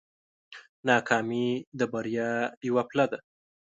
ناکامي د بریا یوه پله ده.